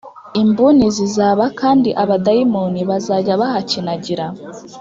imbuni zizaba kandi abadayimoni bazajya bahakinagira